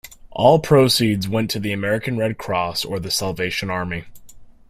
All proceeds went to the American Red Cross or The Salvation Army.